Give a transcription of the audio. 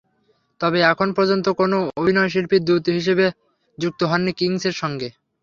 তবে এখন পর্যন্ত কোনো অভিনয়শিল্পী দূত হিসেবে যুক্ত হননি কিংসের সঙ্গে।